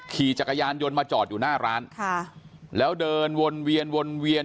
ขี่จักรยานยนต์มาจอดอยู่หน้าร้านค่ะแล้วเดินวนเวียนวนเวียน